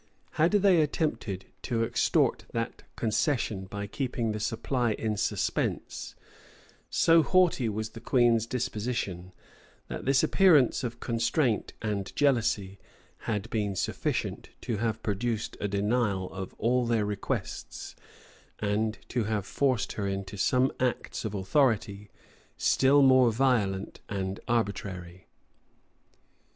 Had they attempted to extort that concession by keeping the supply in suspense, so haughty was the queen's disposition, that this appearance of constraint and jealousy had been sufficient to have produced a denial of all their requests, and to have forced her into some acts of authority still more violent and arbitrary.